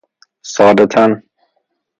ساده تن